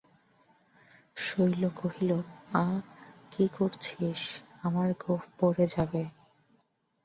শৈল কহিল, আঃ, কী করছিস, আমার গোঁফ পড়ে যাবে।